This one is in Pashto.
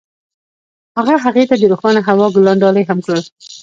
هغه هغې ته د روښانه هوا ګلان ډالۍ هم کړل.